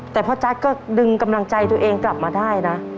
แต่พ่อจั๊ดก็ดึงกำลังใจตัวเองกลับมาได้นะ